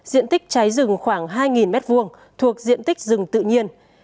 diện tích cháy rừng khoảng hai m hai thuộc diện tích rừng tự nhiên